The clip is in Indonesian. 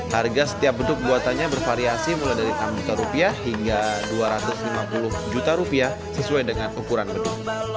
harga setiap beduk buatannya bervariasi mulai dari enam juta rupiah hingga dua ratus lima puluh juta rupiah sesuai dengan ukuran beduk